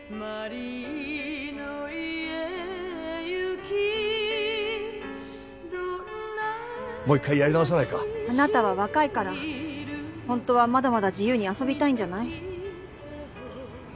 あなたは若いからホントはまだまだ自由に遊びたいんじゃない？